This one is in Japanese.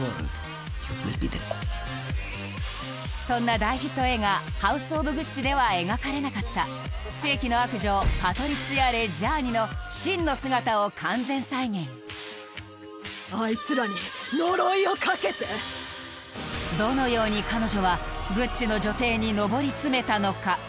そんな大ヒット映画「ハウス・オブ・グッチ」では描かれなかった世紀の悪女パトリツィア・レッジャーニの真の姿を完全再現どのように彼女はグッチの女帝に上り詰めたのか？